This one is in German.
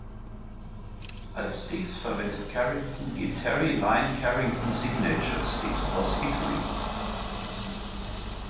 Als Sticks verwendet Carrington die "Terri-Lyne-Carrington-Signature"-Sticks aus Hickory.